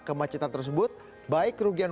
kemacetan tersebut baik kerugian